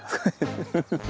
フフフッ。